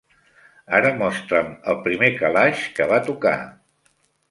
Ara mostra'm el primer calaix que va tocar.